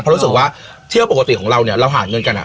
เพราะรู้สึกว่าเที่ยวปกติของเราเนี่ยเราหาเงินกัน